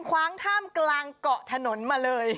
คว้างท่ามกลางเกาะถนนมาเลย